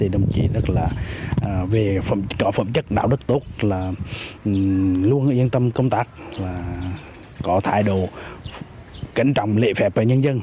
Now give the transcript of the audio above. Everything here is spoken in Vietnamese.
đồng chí rất là có phẩm chất đạo đức tốt luôn yên tâm công tác có thái độ kính trọng lễ phép của nhân dân